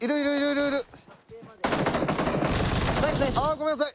ごめんなさい。